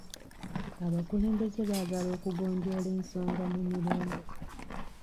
Abakulembeze baagala kugonjoola ensonga mu mirembe.